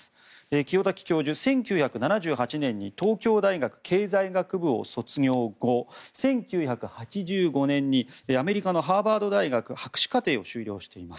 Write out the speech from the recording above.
清滝教授、１９７８年に東京大学経済学部を卒業後１９８５年にアメリカのハーバード大学博士課程を修了しています。